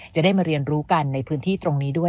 จะได้มาเรียนรู้กันในพื้นที่ตรงนี้ด้วย